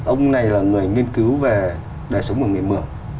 ông này là người nghiên cứu về đời sống của người mường